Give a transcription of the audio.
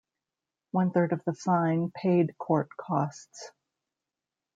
One-third of the fine paid court costs.